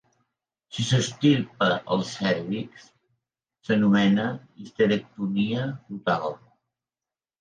Si s'extirpa el cèrvix, s'anomena histerectomia total.